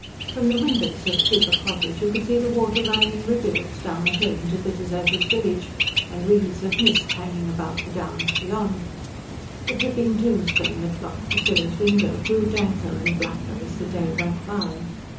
From the windows of Creeper Cottage you could see the water running in rivulets down the hill into the deserted village, and wreaths of mist hanging about the downs beyond. The dripping tombstone that blocked Priscilla's window grew danker and blacker as the day went by.